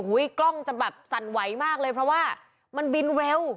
กล้องจะแบบสั่นไหวมากเลยเพราะว่ามันบินเร็ว